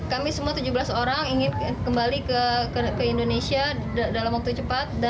kami semua tujuh belas orang ingin kembali ke indonesia dalam waktu cepat